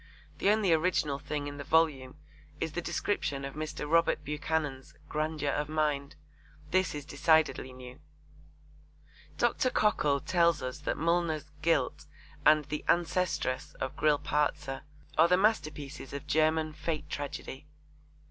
The only original thing in the volume is the description of Mr. Robert Buchanan's 'grandeur of mind.' This is decidedly new. Dr. Cockle tells us that Mullner's Guilt and The Ancestress of Grillparzer are the masterpieces of German fate tragedy.